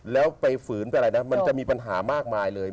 แล้วไปฝืนไปอะไรนะมันจะมีปัญหามากมายเลย